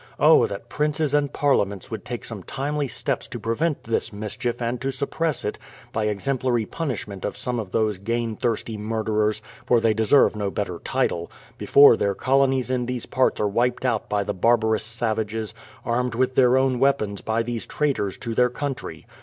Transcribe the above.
Oh! that princes and parliaments would take some timely steps to prevent this mischief and to suppress it, by ex emplary punishment of some of those gain thirsty murder I .^ fHE PLYMOUTH SETTLEMENT 197 ers, — for they deserve no better title, — before their colonies in these parts are wiped out by the barbarous savages, armed with their own weapons by these traitors to their country.